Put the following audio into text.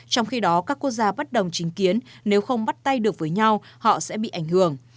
trong khi đó các quốc gia bất đồng chính kiến nếu không bắt tay được với nhau họ sẽ bị ảnh hưởng